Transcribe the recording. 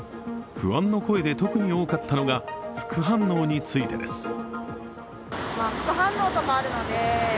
不安の声で特に多かったのが副反応についてです。